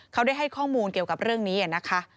เขาได้ให้ข้อมูลเกี่ยวกับเรื่องนี้นะคะ